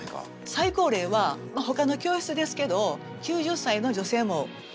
最高齢はほかの教室ですけど９０歳の女性もいはります。